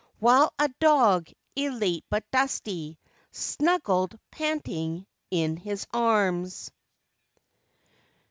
While a dog, elate but dusty, snuggled, panting, in his arms.